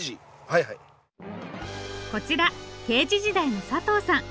こちら刑事時代の佐藤さん。